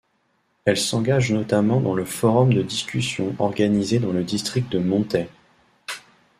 Elle s'engage notamment dans le forum de discussion organisé dans le district de Monthey.